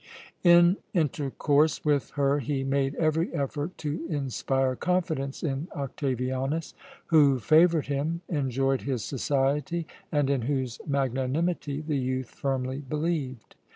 In intercourse with her he made every effort to inspire confidence in Octavianus, who favoured him, enjoyed his society, and in whose magnanimity the youth firmly believed.